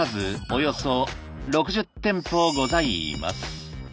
およそ６０店舗ございます